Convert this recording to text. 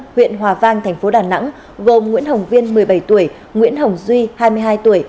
huyện hòa vang thành phố đà nẵng gồm nguyễn hồng viên một mươi bảy tuổi nguyễn hồng duy hai mươi hai tuổi